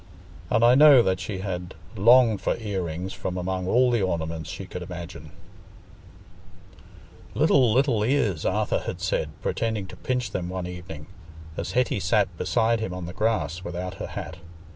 And I know that she had longed for ear rings from among all the ornaments she could imagine. "Little, little ears!" Arthur had said, pretending to pinch them one evening, as Hetty sat beside him on the grass without her hat.